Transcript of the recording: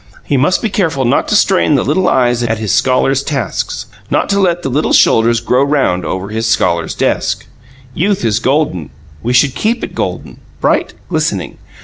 He must be careful not to strain the little eyes at his scholar's tasks, not to let the little shoulders grow round over his scholar's desk. Youth is golden; we should keep it golden, bright, glistening.